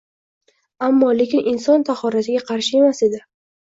Ammo-lekin inson tahoratiga qarshi emas edi!